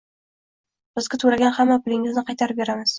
bizga toʻlagan hamma pulingizni qaytarib beramiz